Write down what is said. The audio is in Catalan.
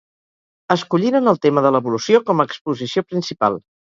Escolliren el tema de l'evolució com a exposició principal.